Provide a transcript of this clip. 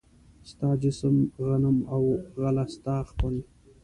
ستا جسم، غنم او غله ستا خپله